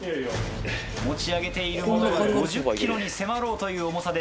持ち上げているものは５０ｋｇに迫ろうという重さです。